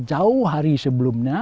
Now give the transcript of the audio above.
jauh hari sebelumnya